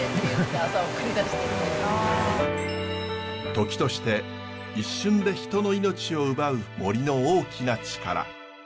時として一瞬で人の命を奪う森の大きな力。